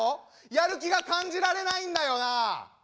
やる気が感じられないんだよな。